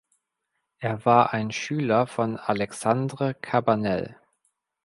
Er war ein Schüler von Alexandre Cabanel.